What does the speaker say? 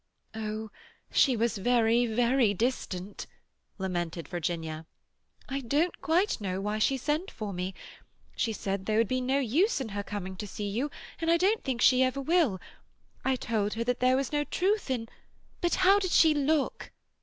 "Oh, she was very, very distant," lamented Virginia. "I don't quite know why she sent for me. She said there would be no use in her coming to see you—and I don't think she ever will. I told her that there was no truth in—" "But how did she look?"